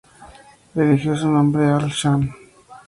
Eligió su nombre "AlHasan".